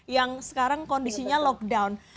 yang sekarang kondisinya lockdown